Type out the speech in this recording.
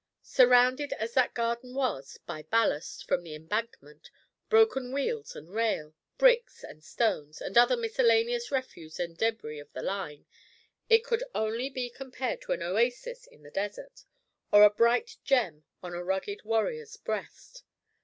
Surrounded as that garden was by "ballast" from the embankment, broken wheels and rail, bricks and stones, and other miscellaneous refuse and debris of the line, it could only be compared to an oasis in the desert, or a bright gem on a rugged warrior's breast.